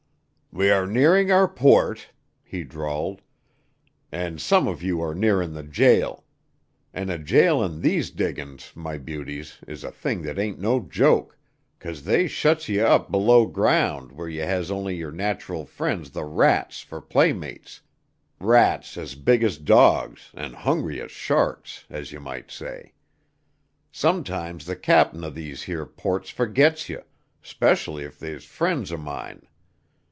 "We are nearing our port," he drawled, "an' some of you are nearin' the jail. An' a jail in these diggin's, my beauties, is a thing that ain't no joke, 'cause they shets you up below ground where ye has only your natural frien's the rats fer playmates, rats as big as dogs an' hungry as sharks, as ye might say. Sometimes the cap'n of these here ports fergits ye 'specially if they's frien's er mine.